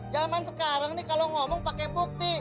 zaman sekarang nih kalau ngomong pakai bukti